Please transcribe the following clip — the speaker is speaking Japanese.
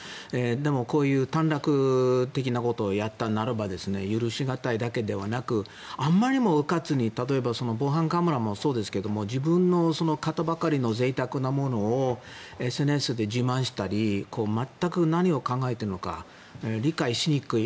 でも、こういう短絡的なことをやったならば許し難いだけではなくあまりにもうかつに例えば防犯カメラもそうですけど自分の買ったばかりのぜいたくなものをＳＮＳで自慢したり全く何を考えているのか理解しにくい。